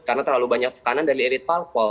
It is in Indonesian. karena terlalu banyak tekanan dari elit palpol